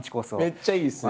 めっちゃいいですね。